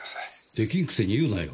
できんくせに言うなよ。